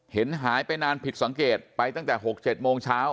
เห็นหายไปนานผิดสังเกตไปตั้งแต่๖๗โมงเช้า